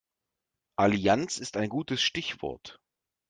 Allianz ist ein gutes Stichwort.